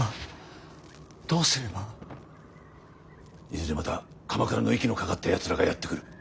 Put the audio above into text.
いずれまた鎌倉の息のかかったやつらがやって来る。